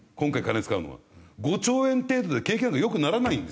５兆円程度で景気なんか良くならないんですよ。